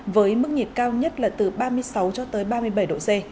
với mức nhiệt cao nhất là từ ba mươi sáu cho tới ba mươi bảy độ c